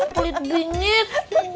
baru split binyet